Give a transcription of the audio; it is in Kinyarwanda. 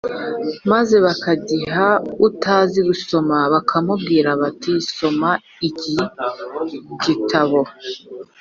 maze bakagiha utazi gusoma bakamubwira bati soma iki gitabo